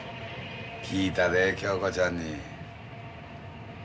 聞いたで恭子ちゃんに。